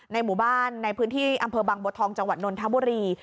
หมู่บ้านในพื้นที่อำเภอบางบัวทองจังหวัดนนทบุรี